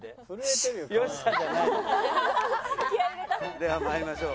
ではまいりましょう。